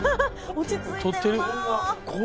落ち着いてるな。